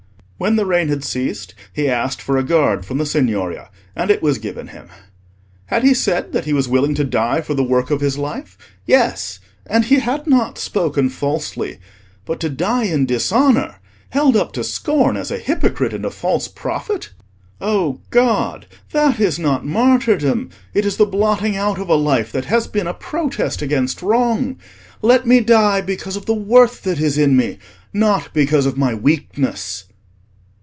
When the rain had ceased he asked for a guard from the Signoria, and it was given him. Had he said that he was willing to die for the work of his life? Yes, and he had not spoken falsely. But to die in dishonour—held up to scorn as a hypocrite and a false prophet? "O God! that is not martyrdom! It is the blotting out of a life that has been a protest against wrong. Let me die because of the worth that is in me, not because of my weakness."